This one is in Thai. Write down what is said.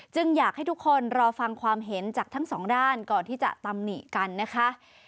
อยากให้ทุกคนรอฟังความเห็นจากทั้งสองด้านก่อนที่จะตำหนิกันนะคะ